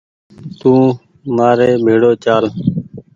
تو مآري ڀيڙو چآل